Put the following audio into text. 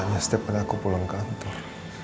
biasanya setiap kali aku pulang kantor